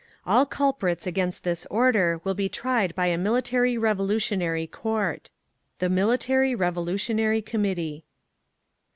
All culprits against this order will be tried by a Military Revolutionary Court. THE MILITARY REVOLUTIONARY COMMITTEE.